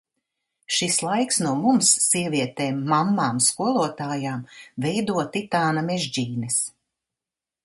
Šis laiks no mums, sievietēm, mammām, skolotājām, veido titāna mežģīnes.